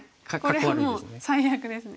これはもう最悪ですね。